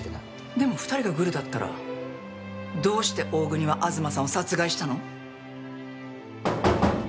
でも２人がグルだったらどうして大國は東さんを殺害したの？